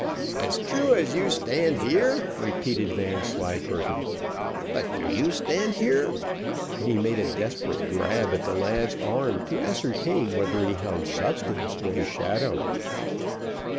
"As true as you stand here!" repeated Vanslyperken; "but do you stand here?" and he made a desperate grasp at the lad's arm to ascertain whether he held substance or shadow.